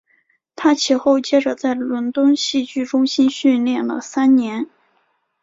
他其后接着在伦敦戏剧中心训练了三年。